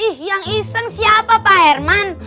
ih yang iseng siapa pak herman